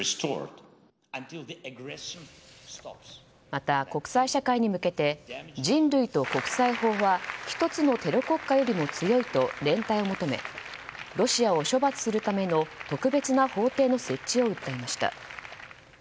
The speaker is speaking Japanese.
また、国際社会に向けて人類と国際法は１つのテロ国家よりも強いと連帯を求めロシアを処罰するための特別な法廷の設置を訴えました。